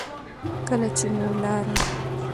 کله چې مو په لاره